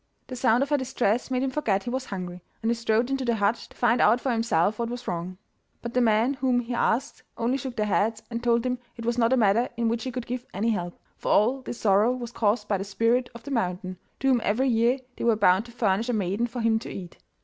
The sound of her distress made him forget he was hungry, and he strode into the hut to find out for himself what was wrong. But the men whom he asked only shook their heads and told him it was not a matter in which he could give any help, for all this sorrow was caused by the Spirit of the Mountain, to whom every year they were bound to furnish a maiden for him to eat.